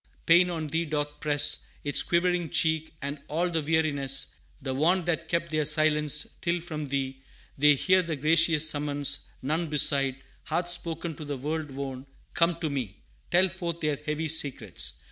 Pain on Thee doth press Its quivering cheek, and all the weariness, The want that keep their silence, till from Thee They hear the gracious summons, none beside Hath spoken to the world worn, 'Come to me,' Tell forth their heavy secrets.